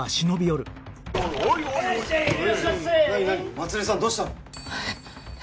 まつりさんどうしたの？